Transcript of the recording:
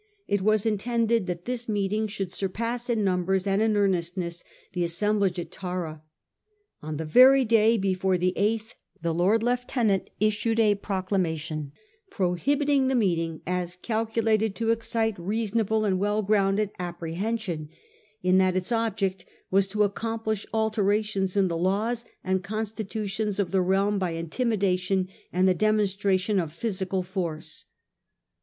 It was in tended that this meeting should surpass in numbers and in earnestness the assemblage at Tara. On the very day before the eighth the Lord Lieutenant issued a proclamation prohibiting the meeting as ' calculated to excite reasonable and well grounded apprehension' in that its object was 4 to accomplish alterations in the laws and constitution of the realm by intimidation and the demonstration of physical force.